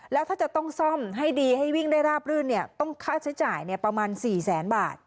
แล้วถ้าจะต้องซ่อมให้ดีให้วิ่งได้ราบรื่นต้องค่าใช้จ่ายประมาณ๔แสนบาท